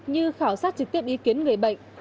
như khảo sát trực tiếp ý kiến về bệnh